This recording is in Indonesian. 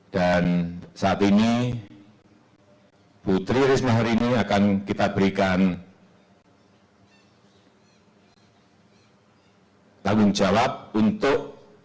dan saat ini ibu tri risma hari ini akan kita berikan tanggung jawab untuk